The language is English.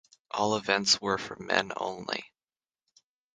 All events were for men only.